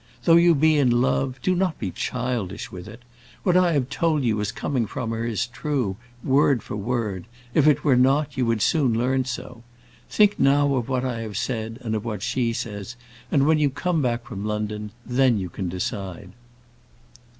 Though you be in love, do not be childish with it. What I have told you as coming from her is true, word for word; if it were not, you would soon learn so. Think now of what I have said, and of what she says, and when you come back from London, then you can decide."